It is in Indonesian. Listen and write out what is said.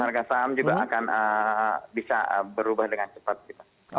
dan harga saham juga akan bisa berubah dengan cepat